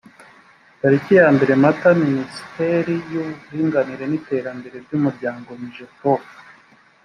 tariki yambere mata minisiteri y uburinganire n iterambere ry umuryango migeprof